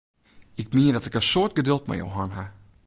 Ik mien dat ik in soad geduld mei jo hân ha!